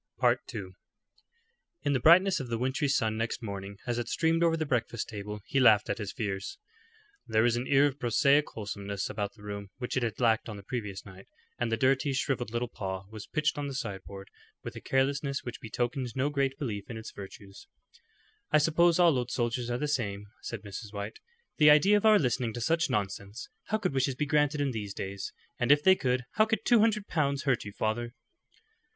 II. In the brightness of the wintry sun next morning as it streamed over the breakfast table he laughed at his fears. There was an air of prosaic wholesomeness about the room which it had lacked on the previous night, and the dirty, shrivelled little paw was pitched on the sideboard with a carelessness which betokened no great belief in its virtues. "I suppose all old soldiers are the same," said Mrs. White. "The idea of our listening to such nonsense! How could wishes be granted in these days? And if they could, how could two hundred pounds hurt you, father?"